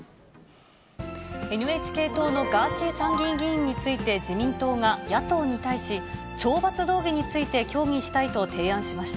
ＮＨＫ党のガーシー参議院議員について、自民党が野党に対し、懲罰動議について協議したいと提案しました。